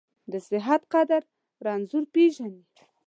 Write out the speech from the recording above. د صحت قدر رنځور پېژني.